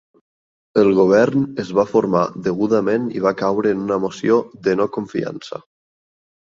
El govern es va formar degudament i va caure en una moció de no confiança.